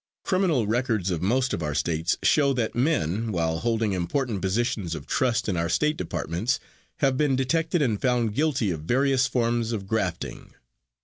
Criminal records of most of our states show that men, while holding important positions of trust in our state departments, have been detected and found guilty of various forms of grafting.